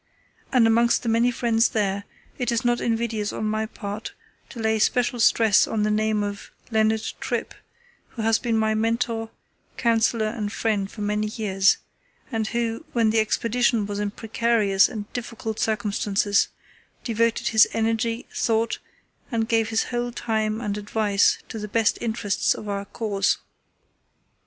And amongst the many friends there it is not invidious on my part to lay special stress on the name of Leonard Tripp, who has been my mentor, counsellor, and friend for many years, and who, when the Expedition was in precarious and difficult circumstances, devoted his energy, thought, and gave his whole time and advice to the best interests of our cause.